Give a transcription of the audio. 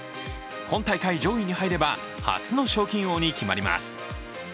今大会上位に入れば初の賞金王に決まります。